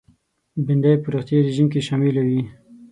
بېنډۍ په روغتیایي رژیم کې شامله وي